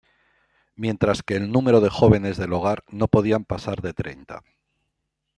Mientras que el número de jóvenes del hogar no podían pasar de treinta.